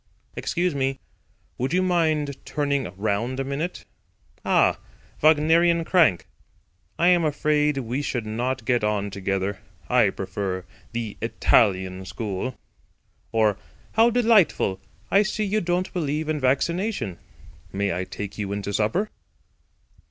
"Excuse me. Would you mind turning round a minute? Ah, 'Wagnerian Crank!' I am afraid we should not get on together. I prefer the Italian school." Or, "How delightful. I see you don't believe in vaccination. May I take you into supper?"